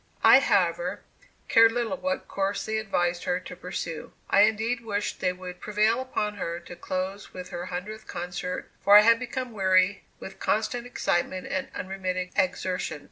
I, however, cared little what course they advised her to pursue. I indeed wished they would prevail upon her to close with her hundredth concert, for I had become weary with constant excitement and unremitting exertions.